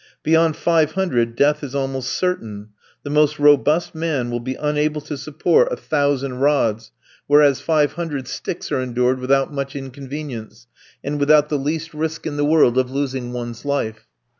Beyond five hundred death is almost certain; the most robust man will be unable to support a thousand rods, whereas five hundred sticks are endured without much inconvenience, and without the least risk in the world of losing one's life.